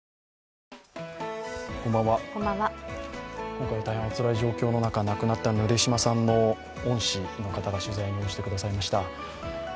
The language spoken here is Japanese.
今回は大変おつらい状況の中、なくなったぬで島さんの恩師の方が取材に応じてくださいました。